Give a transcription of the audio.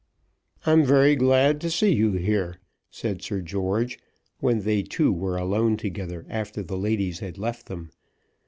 "I'm very glad to see you here," said Sir George, when they two were alone together after the ladies had left them.